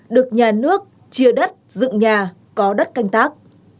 được nhà nước chia đất dựng nhà có đất canh tác